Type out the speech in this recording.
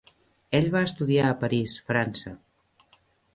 Ell va estudiar a París, França.